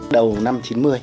đầu năm chín mươi